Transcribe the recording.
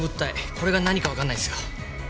これが何かわかんないんですよ。